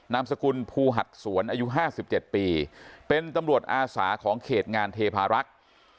นามสกุลภูหัดสวนอายุ๕๗ปีเป็นตำรวจอาสาของเขตงานเทพารักษ์